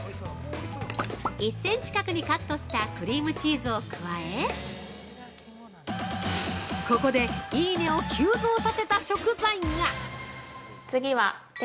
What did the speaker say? ◆１センチ角にカットしたクリームチーズを加えここで、いいね！を急増させた食材が。